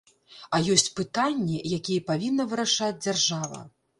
А ёсць пытанні, якія павінна вырашаць дзяржава.